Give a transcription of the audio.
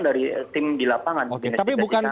dari tim di lapangan oke tapi